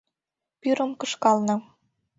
Пӱрым кышкална.